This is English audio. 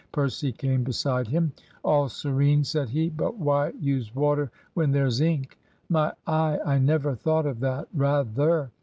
Percy came beside him. "All serene," said he; "but why use water when there's ink?" "My eye! I never thought of that. Rather!